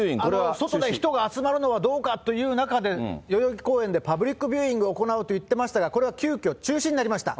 外で人が集まるのはどうかという中で、代々木公園でパブリックビューイングを行うって言ってましたが、これは急きょ、中止になりました。